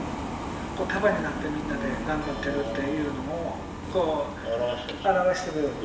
これ束になってみんなで頑張ってるっていうのを表してる。